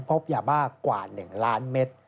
พบยาบ้ากว่า๑ล้านเมตร